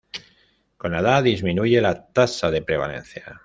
Con la edad disminuye la tasa de prevalencia.